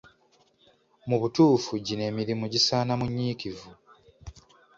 Mu butuufu gino emirimu gisaana munyiikivu.